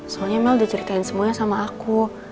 soalnya mel udah ceritain semuanya sama aku